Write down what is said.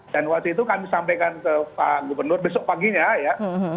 dan waktu itu kami sampaikan ke pak gubernur besok paginya ya